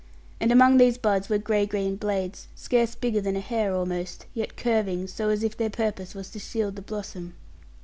And among these buds were gray green blades, scarce bigger than a hair almost, yet curving so as if their purpose was to shield the blossom.